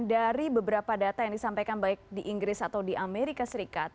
dan dari beberapa data yang disampaikan baik di inggris atau di amerika serikat